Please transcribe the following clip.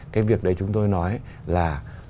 cái việc đấy chúng tôi nói là